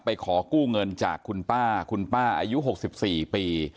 ไปขอกู้เงินจากคุณป้าคุณป้าอายุหกสิบสี่ปี